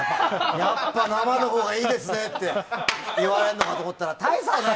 やっぱ生のほうがいいですね！って言われると思ったのに。